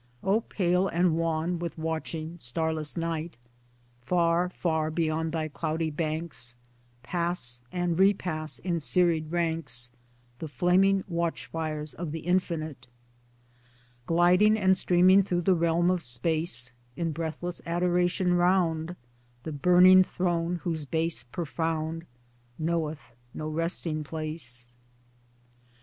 O pale and wan with watching, starless night ! Far, far beyond thy cloudy banks Pass and repass in serried ranks The flaming watchfires of the infinite Gliding and streaming through the realm of space In breathless adoration round The burning throne whose base profound Knoweth no resting place.